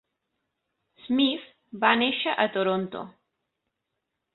Smith va néixer a Toronto.